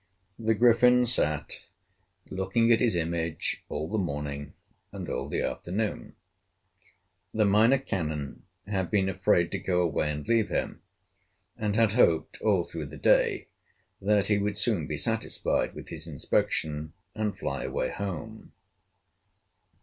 The Griffin sat looking at his image all the morning and all the afternoon. The Minor Canon had been afraid to go away and leave him, and had hoped all through the day that he would soon be satisfied with his inspection and fly away home.